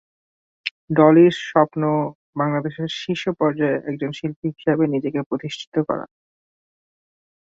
ডলির স্বপ্ন বাংলাদেশের শীর্ষ পর্যায়ের একজন শিল্পী হিসেবে নিজেকে প্রতিষ্ঠা করা।